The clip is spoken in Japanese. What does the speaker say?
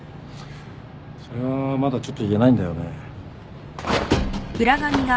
それはまだちょっと言えないんだよね。